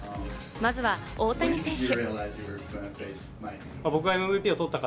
まずは大谷選手。